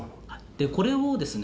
これをですね